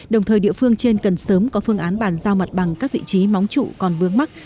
đồng thời địa phương trên cần sớm có phương án bàn giao mặt bằng các vị trí móng trụ còn vướng mắt